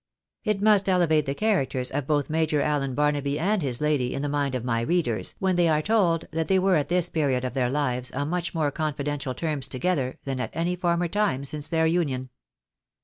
It must elevate the characters of both Major Allen Barnaby and his lady in the mind of my readers, when they are told that they were at this period of their hves on much more confidential terms together than at any former time since their union.